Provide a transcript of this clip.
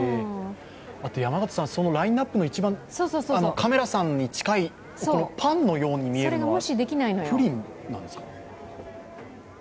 そのラインナップの一番カメラさんに近いのはパンのように見えるのはプリンなんですか？